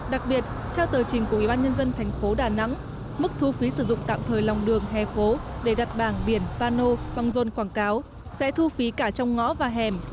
đặc biệt theo tờ trình của ủy ban nhân dân thành phố đà nẵng mức thu phí sử dụng tạm thời lòng đường hề phố để đặt bảng biển pano bằng dôn quảng cáo sẽ thu phí cả trong ngõ và hẻm